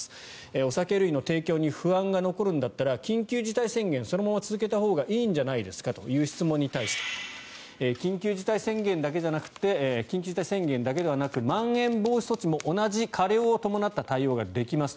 お酒類の提供に不安が残るんだったら緊急事態宣言をそのまま続けたほうがいいんじゃないんですか？という質問に対して緊急事態宣言だけじゃなくてまん延防止措置も同じ過料を伴った対応ができます。